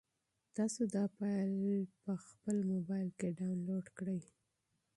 تاسو دا فایل په خپل موبایل کې ډاونلوډ کړئ.